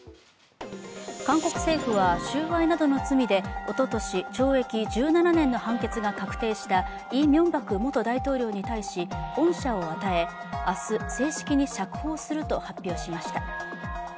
韓国政府は収賄などの罪でおととし懲役１７年の判決が確定したイ・ミョンバク元大統領に対し恩赦を与え、明日、正式に釈放すると発表しました。